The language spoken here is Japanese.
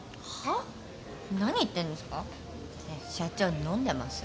ねえ社長飲んでます？